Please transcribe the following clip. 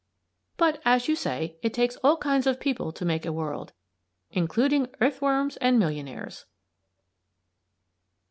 But, as you say, it takes all kinds of people to make a world; including earthworms and millionaires!